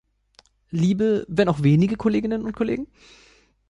Liebe wenn auch wenige Kolleginnen und Kollegen!